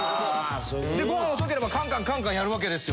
でご飯遅ければカンカンカンカンやるわけですよ。